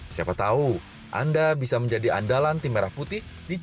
siapa tahu anda bisa menjadi andalan tim merah putih